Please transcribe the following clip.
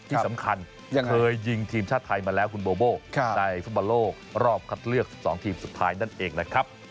ที่สำคัญเคยยิงทีมชาติไทยมาแล้วคุณโบโบในฟุตบอลโลกรอบคัดเลือก๑๒ทีมสุดท้ายนั่นเองนะครับ